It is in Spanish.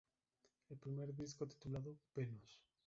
El primer disco titulado "Venus.